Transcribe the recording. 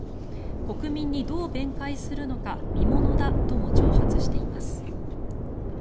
国民にどう弁解するのか見ものだとも挑発しています。